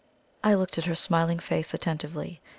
I looked at her smiling face attentively.